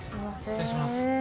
失礼します。